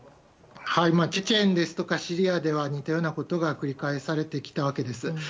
チェチェンですとかシリアでは似たようなことが繰り返されてきたわけです。